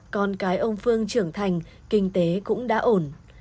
con cái ông phương trưởng thành kinh tế cũng đã ổn